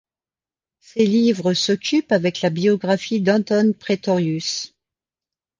Ses livres s´occupent avec la biographie d`Anton Praetorius.